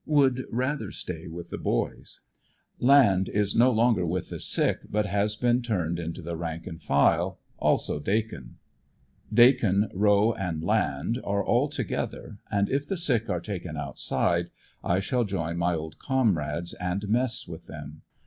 Would rather stay with the "boys." Land is n » longer with the sick but has been turned into the rank and file, also Dakin. Dakin, Rowe and Land are all together, and if the sick are taken outside I shall join my old comrades and mess with them.